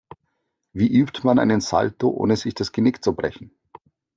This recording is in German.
Wie übt man einen Salto, ohne sich das Genick zu brechen?